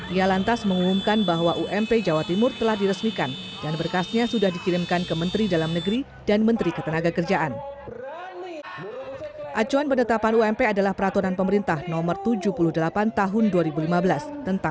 ia lantas mengumumkan bahwa ump jawa timur telah diresmikan dan berkasnya sudah dikirimkan ke menteri dalam negeri dan menteri ketenaga kerjaan